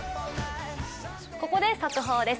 ここで速報です。